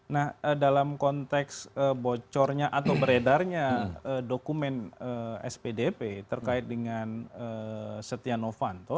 nah dalam konteks bocornya atau beredarnya dokumen spdp terkait dengan setia novanto